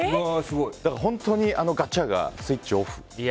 本当にガチャがスイッチオフ。